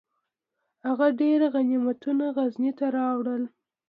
هغه ډیر غنیمتونه غزني ته راوړل.